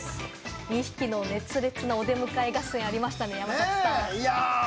２匹の熱烈なお出迎え合戦がありましたね、山里さん。